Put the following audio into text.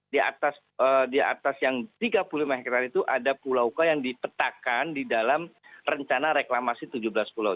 di atas yang tiga puluh lima hektare itu ada pulau k yang dipetakan di dalam rencana reklamasi tujuh belas pulau